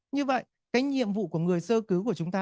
như vậy cái nhiệm vụ của người sơ cứu của chúng ta